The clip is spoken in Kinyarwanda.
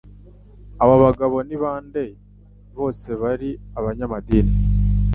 abo bagabo ni bande Bose bari abanyamadini